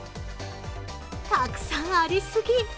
たくさんありすぎ。